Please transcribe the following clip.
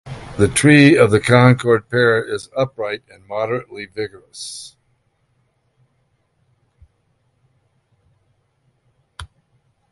The tree of the Concorde pear is upright and moderately vigorous.